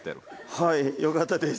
はいよかったです